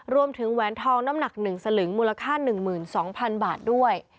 แหวนทองน้ำหนัก๑สลึงมูลค่า๑๒๐๐๐บาทด้วย